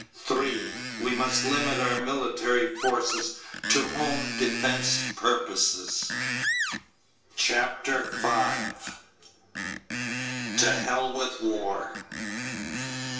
3. We must limit our military forces to home defense purposes. CHAPTER FIVE To Hell With War!